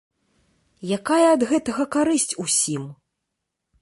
Якая ад гэтага карысць усім?